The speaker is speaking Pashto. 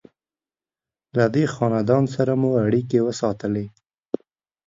له دې خاندان سره مو اړیکې وساتلې.